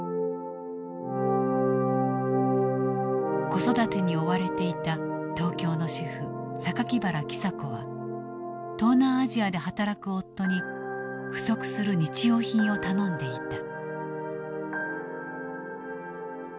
子育てに追われていた東京の主婦原喜佐子は東南アジアで働く夫に不足する日用品を頼んでいた。